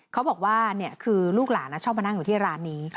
เขาบอกว่าคือลูกหลานชอบมานั่งอยู่ที่ร้านนี้